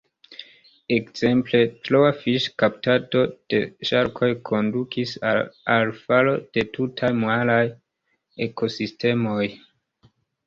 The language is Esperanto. Ekzemple, troa fiŝkaptado de ŝarkoj kondukis al falo de tutaj maraj ekosistemoj.